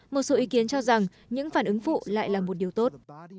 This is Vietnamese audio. một số ý kiến cho rằng những phản ứng phụ lại là một điều tốt